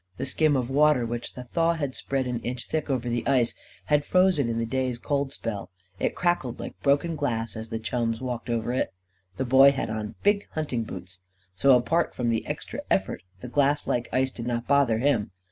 The skim of water, which the thaw had spread an inch thick over the ice, had frozen in the day's cold spell. It crackled like broken glass as the chums walked over it. The Boy had on big hunting boots. So, apart from the extra effort, the glass like ice did not bother him.